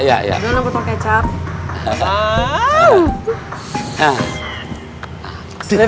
belum ya potong kecap